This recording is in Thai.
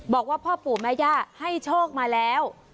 บอกว่าพ่อปู่แม่ย่าให้โชคมาแล้ว